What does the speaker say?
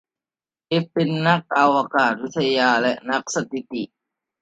เจฟฟ์เป็นนักอากาศวิทยาและนักสถิติ